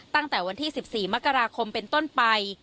ตั้งแต่วันที่๑๔มกราคมเป็นต้นไป